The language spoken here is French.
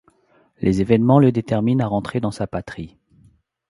Les événements le déterminent à rentrer dans sa patrie.